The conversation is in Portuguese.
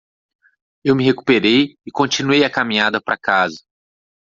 Eu me recuperei e continuei a caminhada para casa.